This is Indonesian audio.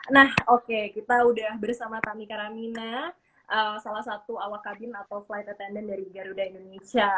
nah oke kita udah bersama tami karamina salah satu awak kabin atau flight attendant dari garuda indonesia